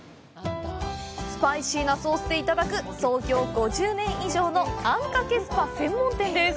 スパイシーなソースでいただく創業５０年以上のあんかけスパ専門店です。